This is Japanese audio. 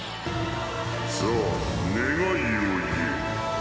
さあ、願いを言え。